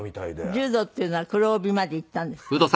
柔道っていうのは黒帯までいったんですか？